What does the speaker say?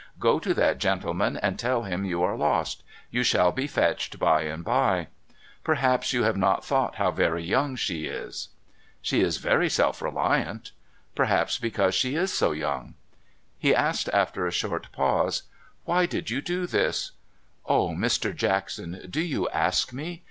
Go to that gentleman, and tell him you are lost. You shall be fetched by and by." Perhaps you have not thought how very young she is ?'' She is very self reliant.' ' Perhaps because she is so young.' He asked, after a short pause, ' Why did you do this ?'' Oh, Mr. Jackson, do you ask me